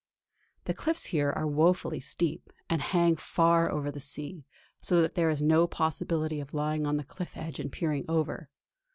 The cliffs here are wofully steep, and hang far over the sea; so that there is no possibility of lying on the cliff edge and peering over.